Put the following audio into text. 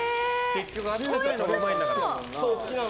結局温かいのがうまいんだから。